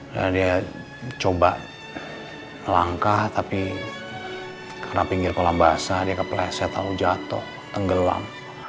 dan dia coba melangkah tapi karena pinggir kolam basah dia kepleset lalu jatoh tenggelam